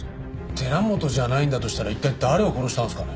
寺本じゃないんだとしたら一体誰を殺したんですかね？